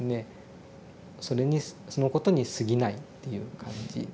そのことにすぎないっていう感じ。